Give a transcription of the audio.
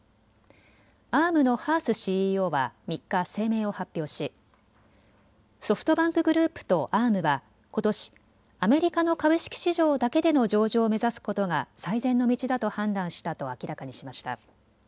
ＡｒｍのハースＣＥＯは３日、声明を発表しソフトバンクグループとＡｒｍはことし、アメリカの株式市場だけでの上場を目指すことが最善の道だと判断したと明らかにしました。